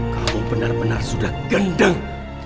kamu benar benar sudah gendang